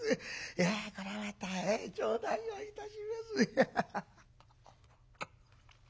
いやこれはまた頂戴をいたします」。